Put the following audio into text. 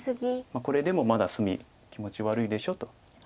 「これでもまだ隅気持ち悪いでしょ？」と言ってます。